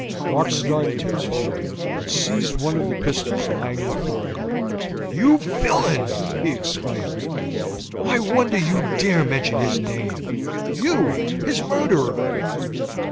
Mark started to his feet, and seized one of the pistols lying before him. "You villain!" he exclaimed, "I wonder you dare mention his name you, his murderer."